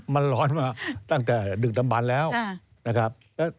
มันร้อนมาตั้งแต่ดึกดำบันแล้วนะครับ